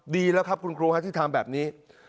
ดีแล้วครับคุณครูที่ทำแบบนี้